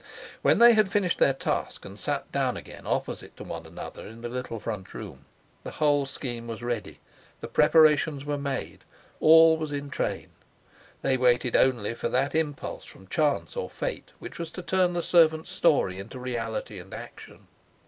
When they had finished their task and sat down again opposite to one another in the little front room, the whole scheme was ready, the preparations were made, all was in train; they waited only for that impulse from chance or fate which was to turn the servant's story into reality and action.